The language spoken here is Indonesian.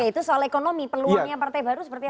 itu soal ekonomi peluangnya partai baru seperti apa